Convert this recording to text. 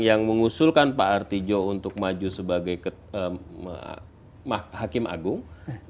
yang mengusulkan pak artijo untuk maju sebagai hakim agung